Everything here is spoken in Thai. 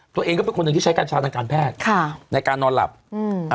ตัวเองก็เป็นคนหนึ่งที่ใช้กัญชาทางการแพทย์ค่ะในการนอนหลับอืมอ่า